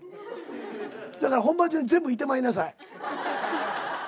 だから本番中に全部いってまいなさい。